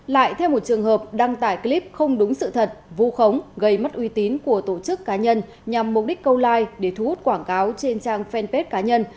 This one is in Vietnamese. lại theo một trường hợp đăng tải clip không đúng sự thật vu khống gây mất uy tín của tổ chức cá nhân nhằm mục đích câu like để thu hút quảng cáo trên trang fanpage cá nhân